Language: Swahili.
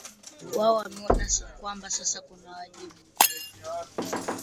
wao wameona kwamba sasa kuna wajibu